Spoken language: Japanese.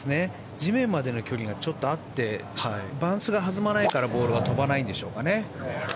地面までの距離がちょっとあってバンスが弾まないからボールが飛ばないんでしょうか。